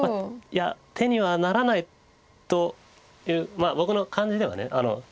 いや手にはならないという僕の感じでは。